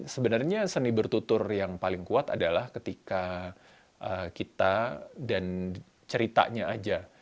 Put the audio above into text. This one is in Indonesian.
sebenarnya seni bertutur yang paling kuat adalah ketika kita dan ceritanya aja